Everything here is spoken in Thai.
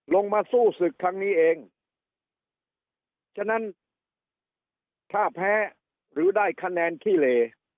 ลงมาสู้ศึกครั้งนี้เองฉะนั้นถ้าแพ้หรือได้คะแนนขี้เหล